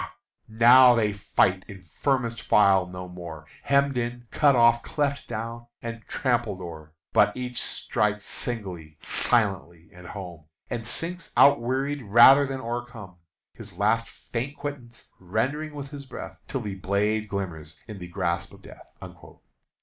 now they fight in firmest file no more, Hemmed in cut off cleft down and trampled o'er, But each strikes singly, silently, and home, And sinks outwearied rather than o'ercome, His last faint quittance rendering with his breath, Till the blade glimmers in the grasp of death."